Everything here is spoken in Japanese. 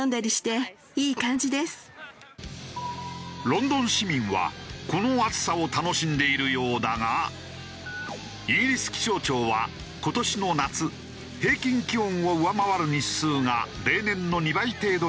ロンドン市民はこの暑さを楽しんでいるようだがイギリス気象庁は今年の夏平均気温を上回る日数が例年の２倍程度になると予想。